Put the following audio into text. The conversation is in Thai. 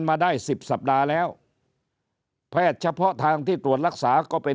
มาได้สิบสัปดาห์แล้วแพทย์เฉพาะทางที่ตรวจรักษาก็เป็น